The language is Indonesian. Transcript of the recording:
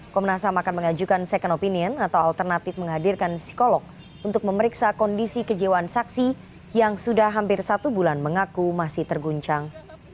komnas ham akan mengajukan second opinion atau alternatif menghadirkan psikolog untuk memeriksa kondisi kejiwaan saksi yang sudah hampir satu bulan mengaku masih terguncang